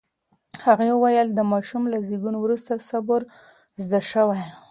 هغې وویل، د ماشوم له زېږون وروسته صبر زده شوی.